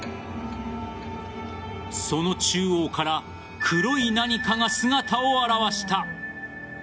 その中央から黒い何かが姿を現した。